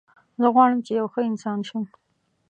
زه غواړم چې یو ښه انسان شم